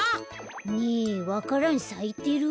ねえわか蘭さいてる？